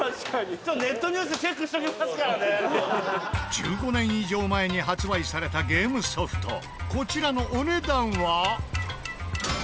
１５年以上前に発売されたゲームソフトこちらのお値段は。